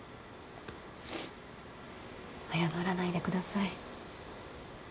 謝らないでください。